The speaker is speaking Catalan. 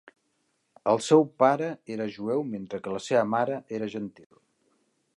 El seu pare era jueu mentre que la seva mare era gentil.